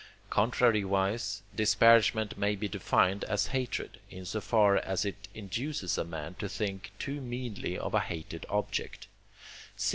Contrariwise, disparagement may be defined as hatred, in so far as it induces a man to think too meanly of a hated object.